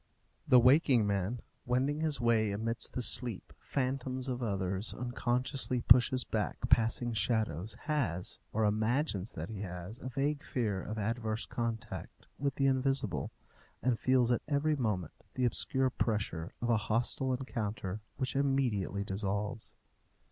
The waking man, wending his way amidst the sleep phantoms of others, unconsciously pushes back passing shadows, has, or imagines that he has, a vague fear of adverse contact with the invisible, and feels at every moment the obscure pressure of a hostile encounter which immediately dissolves.